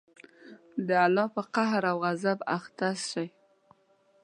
د الله په قهر او غصب اخته شئ.